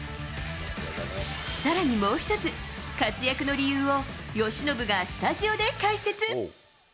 さらにもう一つ、活躍の理由を由伸がスタジオで解説。